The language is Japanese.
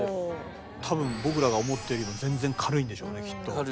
多分僕らが思ってるより全然軽いんでしょうねきっと。